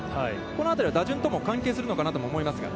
この辺りは打順とも関係するのかなと思いますが。